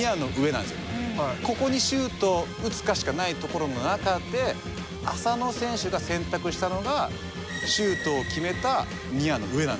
ここにシュートを打つしかない所の中で浅野選手が選択したのがシュートを決めたニアの上なんですよ。